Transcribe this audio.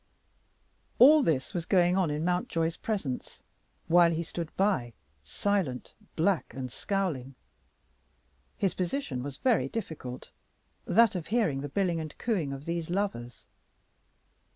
All this was going on in Mountjoy's presence, while he stood by, silent, black, and scowling. His position was very difficult, that of hearing the billing and cooing of these lovers.